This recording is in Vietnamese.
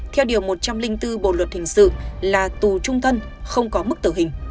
theo điều một trăm linh bốn bộ luật hình sự là tù trung thân không có mức tử hình